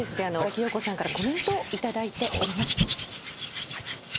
阿木燿子さんからコメントを頂いております。